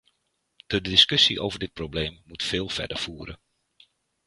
De discussie over dit probleem moet veel verder voeren.